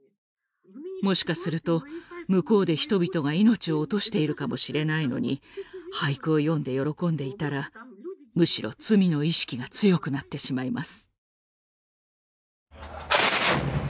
もしかすると向こうで人々が命を落としているかもしれないのに俳句を詠んで喜んでいたらむしろ罪の意識が強くなってしまいます。